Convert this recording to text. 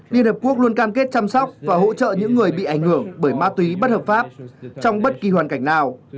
liên hợp quốc luôn cam kết chăm sóc và hỗ trợ những người bị ảnh hưởng bởi ma túy bất hợp pháp trong bất kỳ hoàn cảnh nào